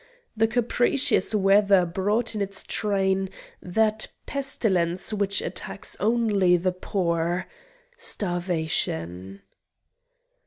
The capricious weather brought in its train that pestilence which attacks only the poor Starvation.